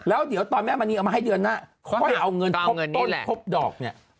แล้วเดี๋ยวตอนแม่มณีเอามาให้เดือนหน้าค่อยเอาเงินครบต้นครบดอกเนี่ย